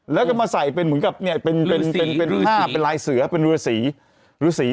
แล้วก็มาส่ายเป็นเหมือนกับเป็นค่าลายเสือเป็นเรื่องแบบรูสี